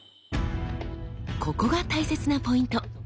ここが大切なポイント。